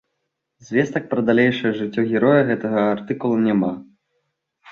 Звестак пра далейшае жыццё героя гэтага артыкула няма.